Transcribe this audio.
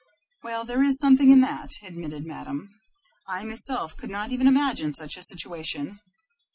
"Well, there is something in that," admitted Madame. "I myself could not even imagine such a situation.